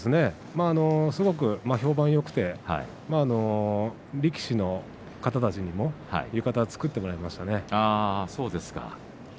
すごく評判よくて力士の方たちにも浴衣、作ってもらいましたね。